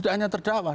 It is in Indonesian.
tidak hanya terdawa